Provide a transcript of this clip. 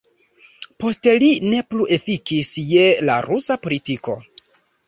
Poste li ne plu efikis je la rusa politiko.